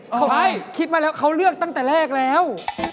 เขาไม่คิดมาแล้วเขาเลือกตั้งแต่แรกแล้ว